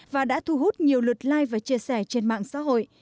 và đã thu hút nhiều lượt like và chia sẻ trên mạng xã hội